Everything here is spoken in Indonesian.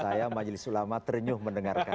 saya majelis ulama terenyuh mendengarkan